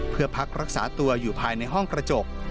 เพื่อพักรักษาตัวอยู่ภายในห้องกระจก